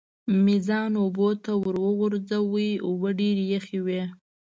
مې ځان اوبو ته وغورځاوه، اوبه ډېرې یخې وې.